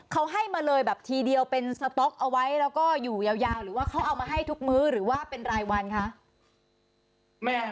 เขาให้มาเลยแบบทีเดียวเป็นสต๊อกเอาไว้แล้วก็อยู่ยาวหรือว่าเขาเอามาให้ทุกมื้อหรือว่าเป็นรายวันคะ